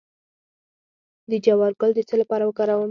د جوار ګل د څه لپاره وکاروم؟